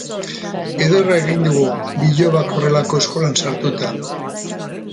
Ederra egin digu, bilobak horrelako eskolan sartuta!